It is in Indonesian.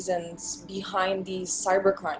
di belakang keamanan cyber ini